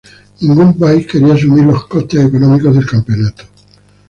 Ningún país quería asumir los costes económicos del campeonato.